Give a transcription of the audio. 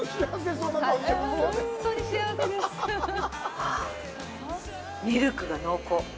はぁ、ミルクが濃厚。